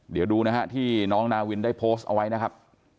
เดี๋ยวดูนะฮะที่น้องนาวินได้โพสต์เอาไว้นะครับ